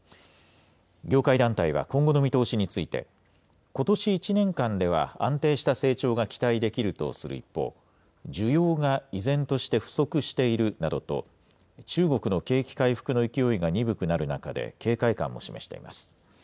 業界団体は今後の見通しについて、ことし１年間では安定した成長が期待できるとする一方、需要が依然として不足しているなどと、中国の景気回復の勢いが鈍くなる中で警戒感も示しています。